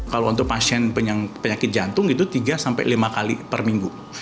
kalau untuk pasien penyakit jantung itu tiga sampai lima kali per minggu